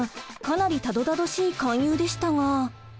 かなりたどたどしい勧誘でしたが。